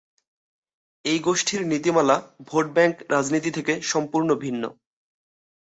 এই গোষ্ঠীর নীতিমালা ভোট ব্যাংক রাজনীতি থেকে সম্পূর্ণ ভিন্ন।